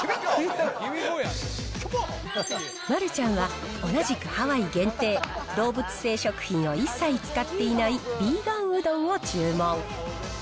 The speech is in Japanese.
丸ちゃんは、同じくハワイ限定、動物性食品を一切使っていないビーガンうどんを注文。